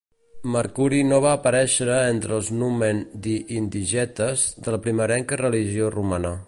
Mercuri no va aparèixer entre els numen "di indigetes" de la primerenca religió romana.